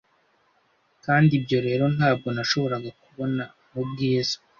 kandi ibyo rero ntabwo nashoboraga kubona mubwiza